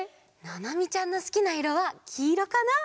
ななみちゃんのすきないろはきいろかな？